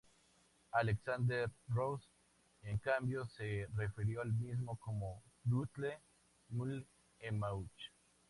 Alexander Ross en cambió se refirió al mismo como "Buttle-mule-emauch".